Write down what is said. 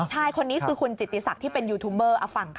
ชายคนนี้คือคุณจิตติศักดิ์ที่เป็นยูทูบเบอร์เอาฟังค่ะ